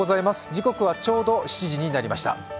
時刻はちょうど７時になりました。